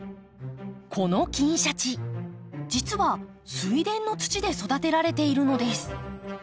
この金鯱実は水田の土で育てられているのです。